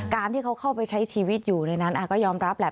การที่เขาเข้าไปใช้ชีวิตอยู่ในนั้นก็ยอมรับแหละ